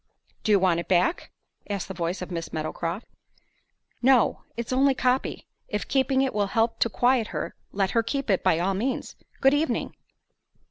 "Do you want it back?" asked the voice of Miss Meadowcroft. "No; it's only a copy. If keeping it will help to quiet her, let her keep it by all means. Good evening."